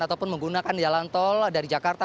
ataupun menggunakan jalan tol dari jakarta